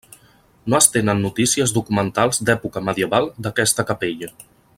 No es tenen notícies documentals d'època medieval d'aquesta capella.